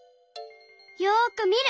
よくみる！